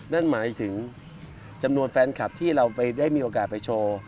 นั่นหมายถึงจำนวนแฟนคลับที่เราได้มีโอกาสไปโชว์